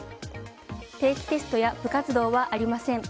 定期テストや部活動はありません。